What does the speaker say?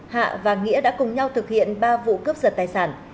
hạ và nghĩa đã cùng nhau thực hiện ba vụ cướp giật tài sản